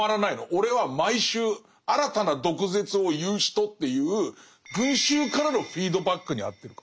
俺は毎週新たな毒舌を言う人っていう群衆からのフィードバックにあってく。